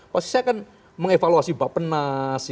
pasti saya akan mengevaluasi bapak penas